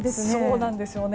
そうなんですよね。